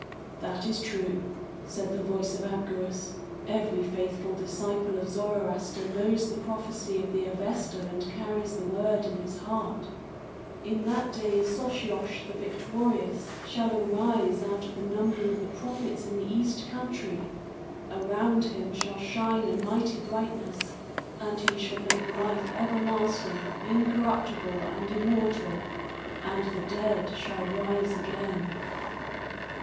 "That is true," said the voice of Abgarus; "every faithful disciple of Zoroaster knows the prophecy of the Avesta, and carries the word in his heart. 'In that day Sosiosh the Victorious shall arise out of the number of the prophets in the east country. Around him shall shine a mighty brightness, and he shall make life everlasting, incorruptible, and immortal, and the dead shall rise again.